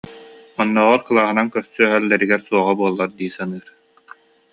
Оннооҕор кылааһынан көрсүһэллэригэр суоҕа буоллар дии саныыр